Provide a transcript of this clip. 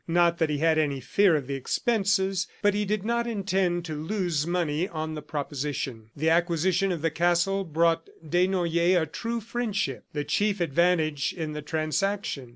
Not that he had any fear of the expenses, but he did not intend to lose money on the proposition. The acquisition of the castle brought Desnoyers a true friendship the chief advantage in the transaction.